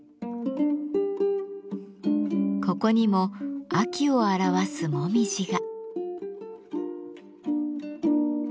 ここにも秋を表すもみじが。